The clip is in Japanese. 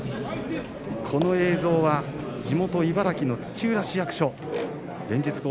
この映像は地元茨城の土浦市役所です。